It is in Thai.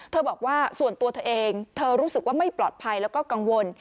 บอกว่าส่วนตัวเธอเองเธอรู้สึกว่าไม่ปลอดภัยแล้วก็กังวล